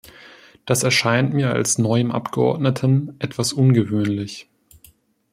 Das erscheint mir als neuem Abgeordneten etwas ungewöhnlich.